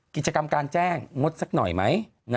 กิจกรรมการแจ้งงดสักหน่อยไหม